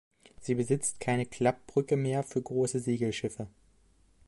Sie besitzt keine Klappbrücke mehr für große Segelschiffe.